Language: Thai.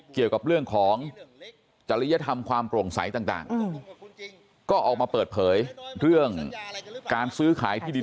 เกี่ยวกับเรื่องของจริยธรรมความโปร่งใสต่างก็ออกมาเปิดเผยเรื่องการซื้อขายที่ดิน